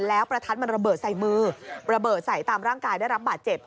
แล้วประทัดมันระเบิดใส่มือระเบิดใส่ตามร่างกายได้รับบาดเจ็บ